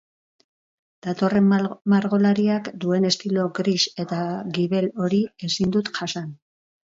Datorren margolariak duen estilo gris eta gibel hori ezin dut jasan.